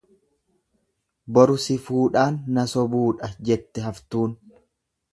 Boru si fuudhaan na sobuudha jette haftuun.